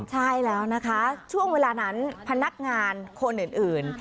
ใช่แล้วนะคะช่วงเวลานั้นพนักงานคนอื่น